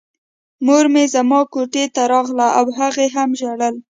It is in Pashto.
مور مې زما کوټې ته راغله او هغې هم ژړل